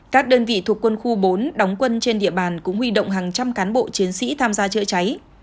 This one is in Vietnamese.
các đơn vị thuộc quân khu bốn đóng quân trên địa bàn cũng huy động hàng trăm cán bộ chiến sĩ tham gia chữa cháy